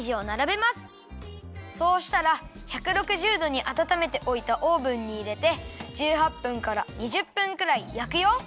そうしたら１６０どにあたためておいたオーブンにいれて１８分から２０分くらいやくよ。